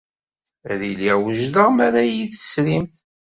Ad iliɣ wejdeɣ mi ara iyi-tesrimt.